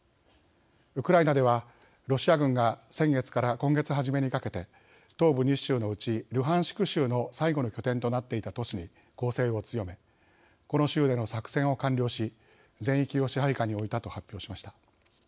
ウクライナでは、ロシア軍が先月から今月初めにかけて東部２州のうち、ルハンシク州の最後の拠点となっていた都市に攻勢を強めこの州での作戦を完了し全域を支配下に置いたと発表しました。